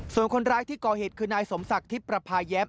ส่วนคนร้ายที่ก่อเหตุคือนายสมศักดิ์ทิพย์ประพาแย้ม